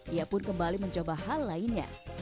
ia pun kembali mencoba hal lainnya